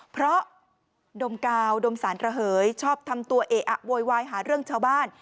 เพราะดมกาวดมสารระเหยชอบทำตัวเอะอะโวยวายหาเรื่องชาวบ้าน